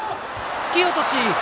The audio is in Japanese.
突き落とし。